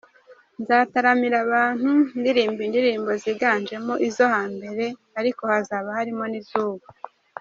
Nzataramira abantu , ndirimba indirimbo ziganjemo izo hambere ariko hazaba harimo n’izubu.